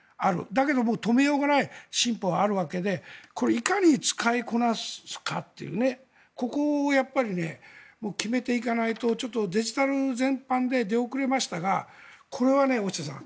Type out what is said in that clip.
だけど、止めようがない進歩はあるわけでこれ、いかに使いこなすかというここを決めていかないとデジタル全般で出遅れましたがこれは大下さん